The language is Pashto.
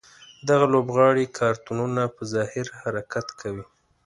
دغه لوبغاړي کارتونونه په ظاهره حرکت کوي.